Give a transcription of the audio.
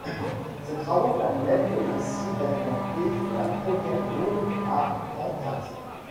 Ses travaux permettent ainsi d'inventer la première bombe à anthrax.